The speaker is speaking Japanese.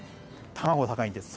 卵、高いんです。